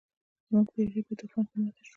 زموږ بیړۍ په طوفان کې ماته شوه.